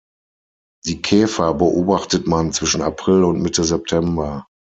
Die Käfer beobachtet man zwischen April und Mitte September.